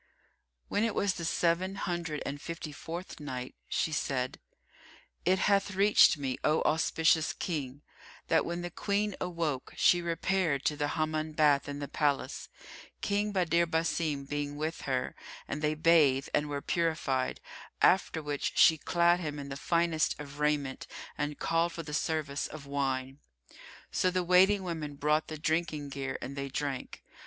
When it was the Seven Hundred and Fifty fourth Night, She said, It hath reached me, O auspicious King, that when the Queen awoke she repaired to the Hammam bath in the palace, King Badr Basim being with her, and they bathed and were purified; after which she clad him in the finest of raiment and called for the service of wine. So the waiting women brought the drinking gear and they drank.